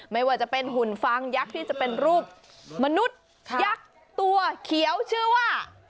ไม่ว่าจะเป็นหุ่นฟางยักษ์ที่จะเป็นรูปมนุษย์ยักษ์ตัวเขียวชื่อว่า